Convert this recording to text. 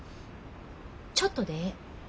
ちょっとでええ。